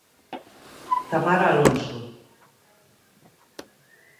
Tamara Alonso.